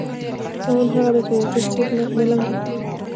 شتمن هغه دی چې د یتیم سترګې نه لمدې کوي.